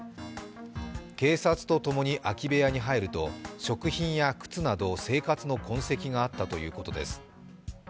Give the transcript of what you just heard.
警察と共に空き部屋に入ると食品や靴など生活の痕跡があったということです。